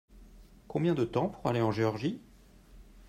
Combien de temps pour aller en Georgie ?